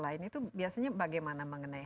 lain itu biasanya bagaimana mengenai